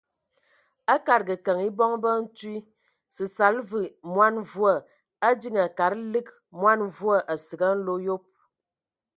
A ngaakəd keŋ e bɔn ba ntwi, səsala və mɔn mvua, a diŋiŋ kad lig mɔn mvua asig a nlo ayob.